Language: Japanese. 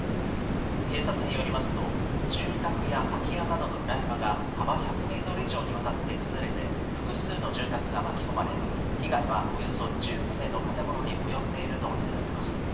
警察によりますと、住宅や空き家などの裏山が、幅１００メートル以上にわたって崩れて、複数の住宅が巻き込まれ、被害はおよそ１０棟の建物に及んでいると見られます。